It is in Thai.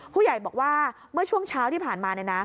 ผู้ใหญ่บอกว่าเมื่อช่วงเช้าที่ผ่านมา